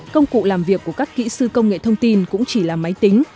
công cụ làm việc của các kỹ sư công nghệ thông tin cũng chỉ là máy tính